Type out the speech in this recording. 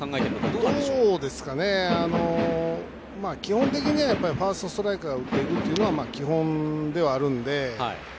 どうですかね、基本的にはファーストストライクから打っていくというのは基本ではあるので。